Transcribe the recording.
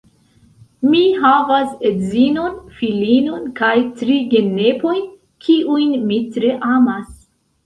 Mi havas edzinon, filinon kaj tri genepojn, kiujn mi tre amas.